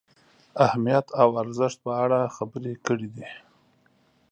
اهمیت او ارزښت په اړه خبرې کړې دي.